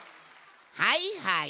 はいはい。